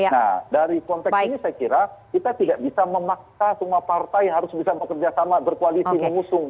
nah dari konteks ini saya kira kita tidak bisa memaksa semua partai harus bisa bekerja sama berkoalisi mengusung